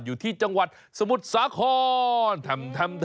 อยู่ที่จังหวัดสมุทรสาคร